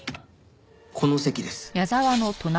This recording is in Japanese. この席です。